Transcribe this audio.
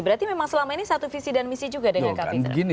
berarti memang selama ini satu visi dan misi juga dengan kapitra